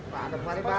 pak ander mari pak